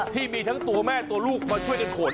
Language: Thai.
ที่มีทั้งตัวแม่ตัวลูกมาช่วยกันขน